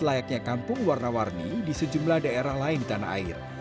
layaknya kampung warna warni di sejumlah daerah lain di tanah air